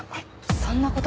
そんな事が。